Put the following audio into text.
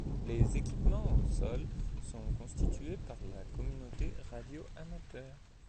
Les équipements au sol sont constitués par la communauté radioamateur.